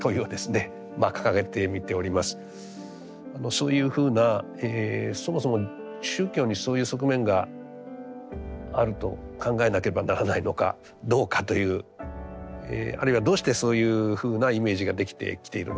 そういうふうなそもそも宗教にそういう側面があると考えなければならないのかどうかというあるいはどうしてそういうふうなイメージができてきているのかというふうな